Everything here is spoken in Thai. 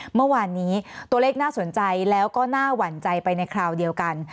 เมื่อวานนี้ตัวเลขน่าสนใจแล้วก็น่าหวั่นใจไปในคราวเดียวกัน